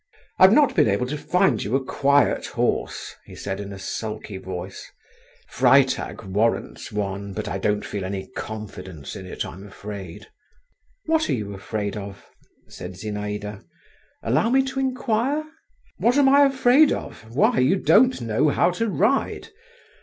"I've not been able to find you a quiet horse," he said in a sulky voice; "Freitag warrants one, but I don't feel any confidence in it, I am afraid." "What are you afraid of?" said Zinaïda; "allow me to inquire?" "What am I afraid of? Why, you don't know how to ride.